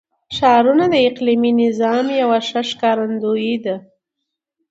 ښارونه د اقلیمي نظام یو ښه ښکارندوی دی.